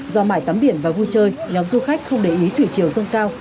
do mải tắm biển và vui chơi nhóm du khách không để ý thủy chiều rông cao